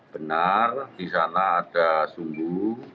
benar di sana ada sumbu